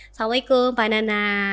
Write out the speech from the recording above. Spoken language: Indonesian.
assalamualaikum pak nana